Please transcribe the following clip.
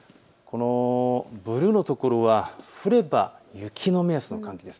ブルーの所は降れば雪の目安の寒気です。